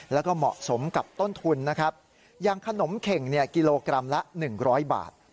แล้วก็เหมาะสมกับต้นทุนนะครับยังขนมเข่งเนี่ยกิโลกรัมละหนึ่งร้อยบาท